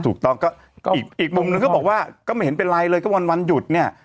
ถูกต้องก็อีกมุมนึงก็บอกว่าก็ไม่เห็นเป็นไรเลยก็วันหยุดเนี่ย